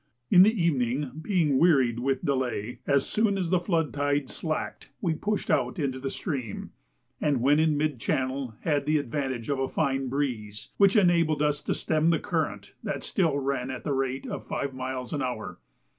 In the evening, being wearied with delay, as soon as the flood tide slacked, we pushed out into the stream, and when in mid channel had the advantage of a fine breeze, which enabled us to stem the current that still ran at the rate of five miles an hour.